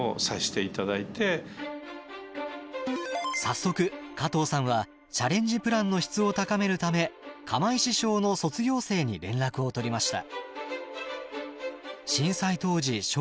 早速加藤さんはチャレンジプランの質を高めるため釜石小の卒業生に連絡を取りました。